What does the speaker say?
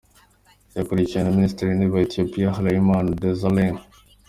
Yakurikiwe na Minisitiri w’Intebe wa Ethiopia, Hailemariam Desalegn.